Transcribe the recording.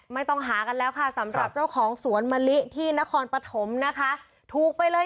ไม่ต้องหากันแล้วค่ะสำหรับเจ้าของสวนมะลิที่นครปฐมนะคะถูกไปเลย